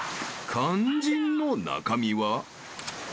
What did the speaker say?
［肝心の中身は？］